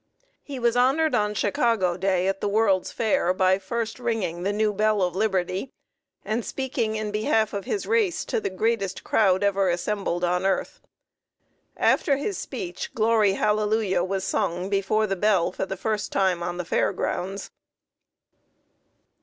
He was honored on Chicago Day at the World's Fair by first ringing the new Bell of Liberty and speaking in behalf of his race to the greatest crowd ever assembled on earth. After his speech "Glory Hallelujah" was sung before the bell for the first time on the Fair grounds.